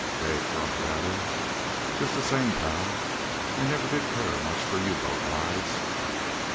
Dave grunted at him. "Just the same, pal, I never did care much for U boat rides."